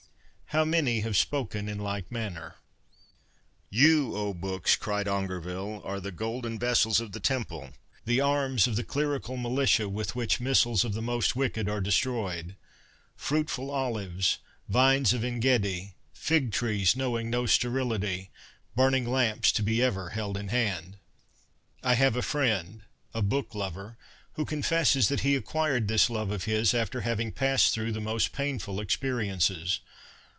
How many have spoken in like manner !& You, O Books,' cried Aungervyle, ' are the golden vessels of the temple, the arms of the clerical militia with which missiles of the most wicked are destroyed ; fruitful olives, vines of Engedi, fig trees knowing no sterility ; burning lamps to be ever held in hand.' I have a friend, a book lover, who confesses that he acquired this love of his after having passed through the most painful experiences.